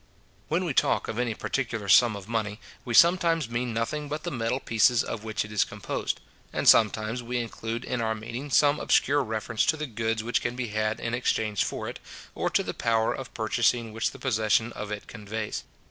When we talk of any particular sum of money, we sometimes mean nothing but the metal pieces of which it is composed, and sometimes we include in our meaning some obscure reference to the goods which can be had in exchange for it, or to the power of purchasing which the possession of it conveys.